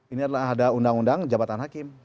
ini adalah ada undang undang jabatan hakim